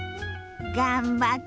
頑張って！